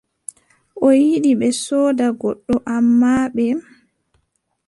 O yiɗi ɓe sooda goɗɗo, ammaa ɓe.